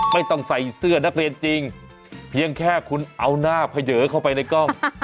ไม่ต้องใส่เสื้อนักเรียนจริงเพียงแค่คุณเอาหน้าเผยเข้าไปในกล้อง